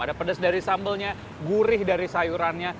ada pedas dari sambalnya gurih dari sayurannya